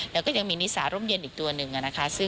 แล้วก็ยังมีนิสาร่มเย็นอีกตัวหนึ่งนะคะ